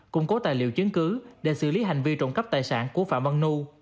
cung cố tài liệu chứng cứ để xử lý hành vi trộm cấp tài sản của phạm văn nư